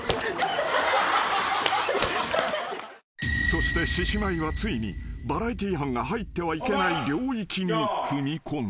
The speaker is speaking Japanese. ［そして獅子舞はついにバラエティー班が入ってはいけない領域に踏み込んだ］